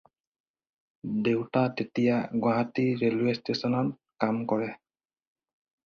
দেউতা তেতিয়া গুৱাহাটী ৰেলৱে ষ্টেচনত কাম কৰে।